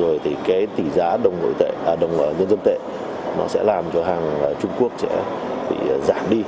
rồi thì cái tỷ giá đồng nhân dân tệ nó sẽ làm cho hàng trung quốc sẽ bị giảm đi